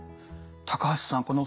高橋さん